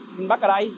mình bắt ở đây